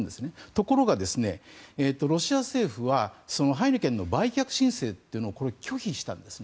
ところが、ロシア政府はハイネケンの売却申請というのを拒否したんですね。